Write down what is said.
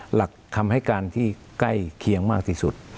หลักคำให้การที่ใกล้เคียงมากที่สุด